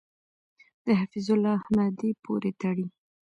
د حفیظ الله احمدی پورې تړي .